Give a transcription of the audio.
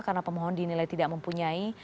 karena pemohon dinilai tidak mempunyai